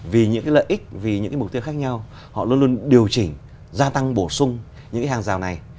vì những lợi ích vì những mục tiêu khác nhau họ luôn luôn điều chỉnh gia tăng bổ sung những hàng rào này